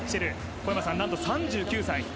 小山さん、何と３９歳。